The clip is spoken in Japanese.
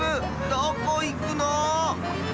どこいくの？